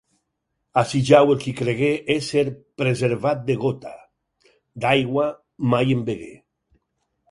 Ací jau el qui cregué ésser preservat de gota; d'aigua, mai en begué.